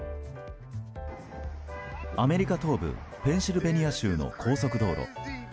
アメリカ東部ペンシルベニア州の高速道路。